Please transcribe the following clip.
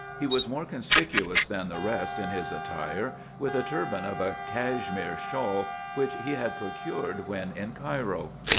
He was more conspicuous than the rest in his attire, with a turban of a Cashmere shawl, which he had procured when in Cairo.